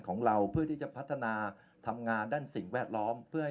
ของเราเพื่อที่จะพัฒนาทำงานด้านสิ่งแวดล้อมเพื่อให้